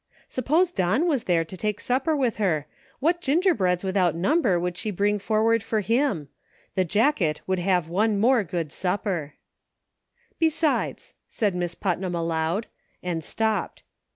Suppose Don was there to take supper with her, what gingerbreads without number would she bring forward for him ! The jacket should have one more good supper. 72 UNSEEN CONNECTIONS. " Besides," said Miss Putnam aloud, and stopped.